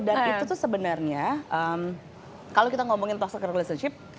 dan itu tuh sebenarnya kalau kita ngomongin toxic relationship